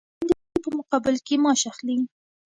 هغه د رسمي دندې په مقابل کې معاش اخلي.